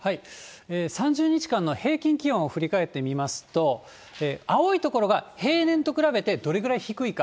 ３０日間の平均気温を振り返ってみますと、青い所が平年と比べてどれくらい低いか。